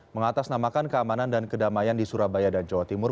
mengatasnamakan keamanan dan kedamaian di surabaya dan jawa timur